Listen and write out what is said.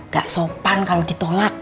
gak sopan kalau ditolak